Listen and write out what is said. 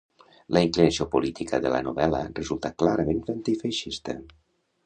La inclinació política de la novel·la resulta clarament antifeixista.